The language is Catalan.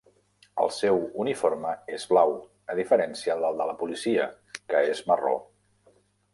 El seu uniforme és blau, a diferència del de la policia, que és marró.